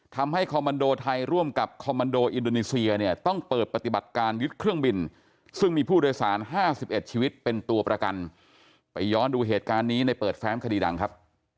คอมมันโดไทยร่วมกับคอมมันโดอินโดนีเซียเนี่ยต้องเปิดปฏิบัติการยึดเครื่องบินซึ่งมีผู้โดยสาร๕๑ชีวิตเป็นตัวประกันไปย้อนดูเหตุการณ์นี้ในเปิดแฟ้มคดีดังครับ